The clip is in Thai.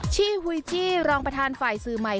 ชิฮุยชิรองประธานฝ่ายสื่อใหม่